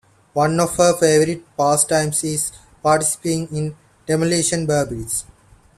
One of her favoured pastimes is participating in demolition derbies.